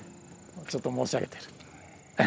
ちょっと申し上げてる。